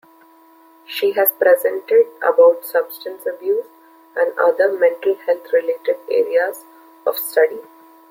She has presented about substance abuse and other mental health-related areas of study.